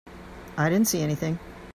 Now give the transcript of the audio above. I didn't see anything.